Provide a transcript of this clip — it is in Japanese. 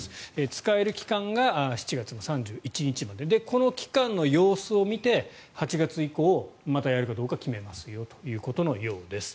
使える期間が７月３１日まででこの期間の様子を見て８月以降、またやるかどうか決めますよということのようです。